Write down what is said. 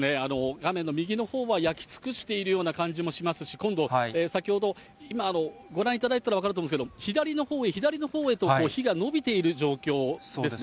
画面の右のほうは焼き尽くしているような感じもしますし、今度、先ほど今、ご覧いただいたら分かると思うんですけど、左のほうへ、左のほうへと、火が延びている状況ですね。